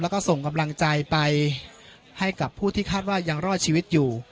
แล้วก็ส่งกำลังใจไปให้กับผู้ที่คาดว่ายังรอดชีวิตอยู่